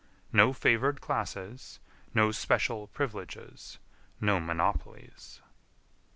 No favored classes; no special privileges; no monopolies.